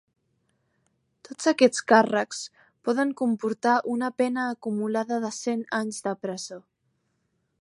Tots aquests càrrecs poden comportar una pena acumulada de cent anys de presó.